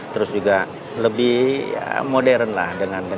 terus juga lebih modern lah